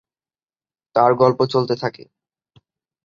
তার গল্প চলতে থাকে।